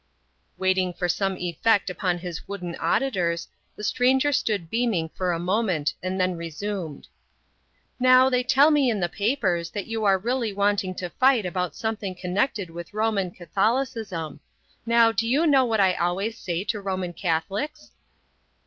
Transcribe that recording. Waiting for some effect upon his wooden auditors, the stranger stood beaming for a moment and then resumed: "Now, they tell me in the newspapers that you are really wanting to fight about something connected with Roman Catholicism. Now, do you know what I always say to Roman Catholics?"